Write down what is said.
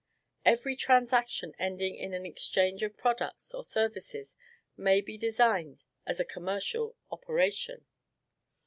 Every transaction ending in an exchange of products or services may be designated as a COMMERCIAL OPERATION.